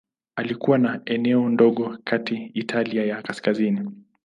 Alikuwa na eneo dogo katika Italia ya Kaskazini.